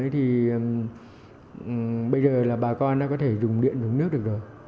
thì bây giờ là bà con đã có thể dùng điện dùng nước được rồi